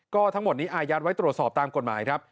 ก็ทั้งหมดนี้อายัดไว้ตรวจสอบตามกฎหมายครับ